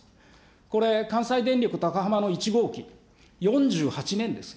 これ、関西電力高浜の１号機、４８年です。